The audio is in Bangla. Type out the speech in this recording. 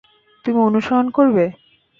তুমি অনুসরন করবে?